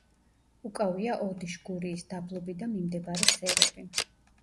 უკავია ოდიშ-გურიის დაბლობი და მიმდებარე სერები.